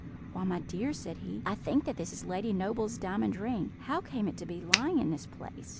"Why, my dear," said he, "I think that this is Lady Noble's diamond ring; how came it to be lying in this place?"